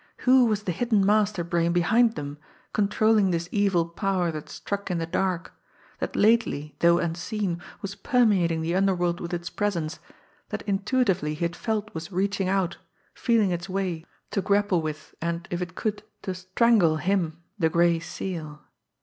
Whose was the hidden master brain behind them, controlling this evil power that struck in the dark; that lately, though unseen, was permeating the underworld with its presence; that intuitively he had felt was reaching out, feeling its way, to grapple with and, if it could, to strangle him the Gray Seal!